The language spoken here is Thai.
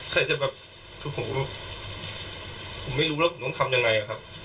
ใครจะแบบคือผมผมไม่รู้ว่าผมต้องทำยังไงครับ